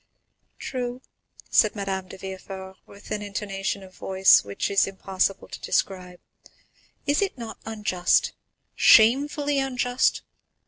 "True," said Madame de Villefort, with an intonation of voice which it is impossible to describe; "is it not unjust—shamefully unjust?